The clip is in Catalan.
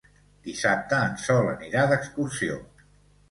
Dissabte en Sol anirà d'excursió.